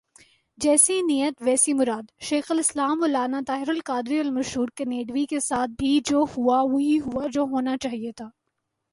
جیسی نیت ویسی مراد ، شیخ الاسلام مولانا طاہرالقادری المشور کینڈیوی کے ساتھ بھی جو ہوا ، وہی ہوا ، جو ہونا چاہئے تھا ۔